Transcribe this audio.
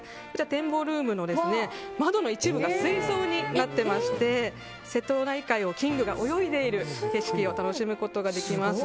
展望ルームの窓の一部が水槽になっていまして瀬戸内海を金魚が泳いでいる景色を楽しむことができます。